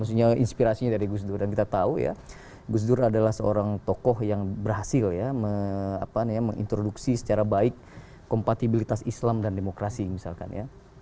ini inspirasinya dari gusdur dan kita tahu ya gusdur adalah seorang tokoh yang berhasil ya apaan ya menginterduksi secara baik kompatibilitas islam dan demokrasi misalkan ya